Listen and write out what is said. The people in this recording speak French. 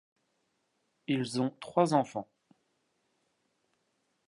Ils ont trois enfants.